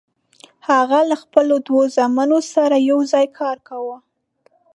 هغه له خپلو دوو زامنو سره یوځای کار کاوه.